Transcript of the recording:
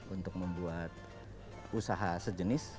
untuk membuat usaha sejenis